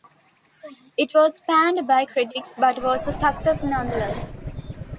It was panned by critics but was a success nonetheless.